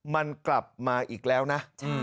มันกลับมาอีกแล้วนะ